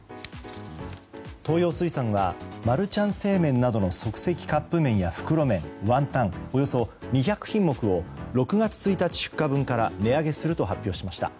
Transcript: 東洋水産はマルちゃん正麺などの即席カップめんや袋麺ワンタン、およそ２００品目を６月１日出荷分から値上げすると発表しました。